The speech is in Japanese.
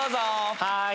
はい。